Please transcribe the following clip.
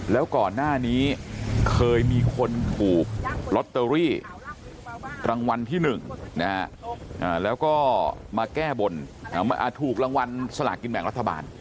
แล้วก่อนหน้านี้เคยมีคนบุกล็อตเตอรี่รางวัลที่หนึ่งนะฮะอ่าแล้วก็มาแก้บนอ่าถูกรางวัลสลากินแบบรัฐบาล